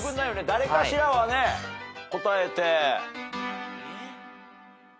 誰かしらはね答えて。